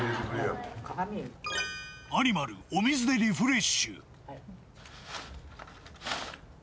アニマル、お水でリフレッシュ。